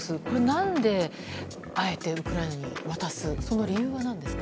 何であえてウクライナに渡すその理由は何ですか？